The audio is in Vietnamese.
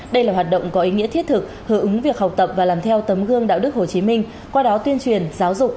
đây là hoạt động có ý nghĩa thiết thực hữu ứng việc học tập và làm theo tấm gương đạo đức hồ chí minh qua đó tuyên truyền giáo dục